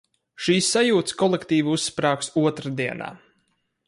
Šīs sajūtas kolektīvi uzsprāgs otrdienā.